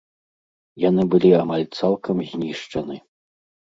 Яны былі амаль цалкам знішчаны.